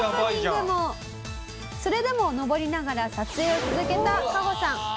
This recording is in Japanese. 「それでも登りながら撮影を続けたカホさん」